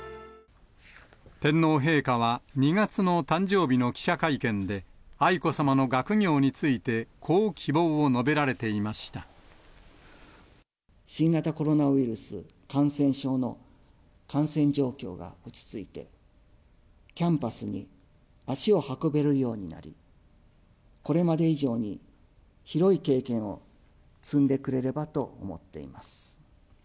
天皇陛下は２月の誕生日の記者会見で、愛子さまの学業について、新型コロナウイルス感染症の感染状況が落ち着いて、キャンパスに足を運べるようになり、これまで以上に広い経験を積んでくれればと思っています。